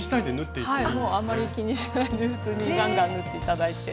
もうあんまり気にしないで普通にガンガン縫って頂いて。